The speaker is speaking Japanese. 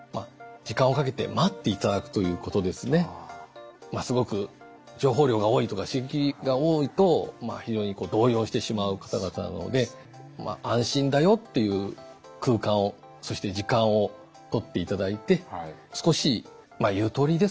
やはりすごく情報量が多いとか刺激が多いと非常に動揺してしまう方々なので安心だよっていう空間をそして時間をとっていただいて少しゆとりですかね